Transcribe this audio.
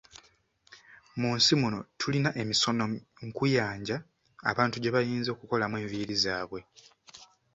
Mu nsi muno tulina emisono nkuyanja abantu gye bayinza okukolamu enviiri zaabwe.